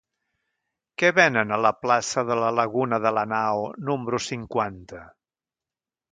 Què venen a la plaça de la Laguna de Lanao número cinquanta?